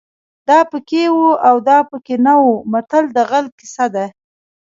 دا پکې وو او دا پکې نه وو متل د غل کیسه ده